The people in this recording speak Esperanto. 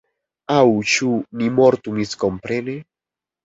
Aŭ ĉu ni mortu miskomprene?